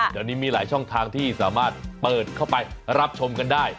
เดี๋ยวนี้มีหลายช่องทางที่สามารถเปิดเข้าไปรับชมกันได้